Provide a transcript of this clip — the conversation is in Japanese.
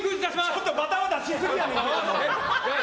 ちょっとバタバタしすぎやねんけど。